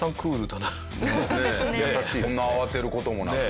そんな慌てる事もなく。